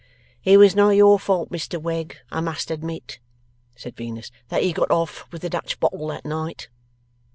'It was not your fault, Mr Wegg, I must admit,' said Venus, 'that he got off with the Dutch bottle that night.